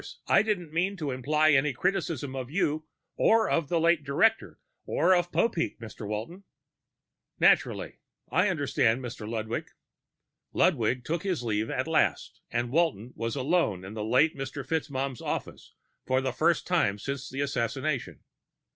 I didn't mean to imply any criticism of you or of the late director or of Popeek, Mr. Walton." "Naturally. I understand, Mr. Ludwig." Ludwig took his leave at last, and Walton was alone in the late Mr. FitzMaugham's office for the first time since the assassination.